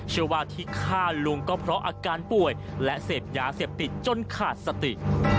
เชื่อว่าที่ฆ่าลุงก็เพราะอาการป่วยและเสพยาเสพติดจนขาดสติ